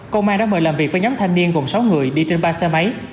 công an đã mời làm việc với nhóm thanh niên gồm sáu người đi trên ba xe máy